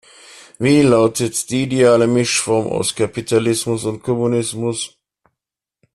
Wie lautet die ideale Mischform aus Kapitalismus und Kommunismus?